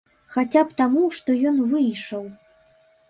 Хаця б таму, што ён выйшаў.